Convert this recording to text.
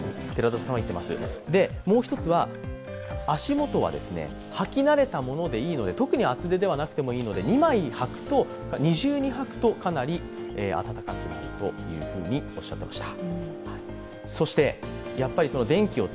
もう一つは、足元は履き慣れたものでいいので、特に厚手ではなくてもいいので、２枚履くと、二重に履くと、かなり暖かくなるとおっしゃっていました。